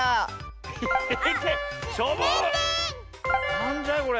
なんじゃいこれ。